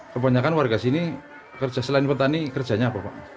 kebanyakan warga sini kerja selain petani kerjanya apa pak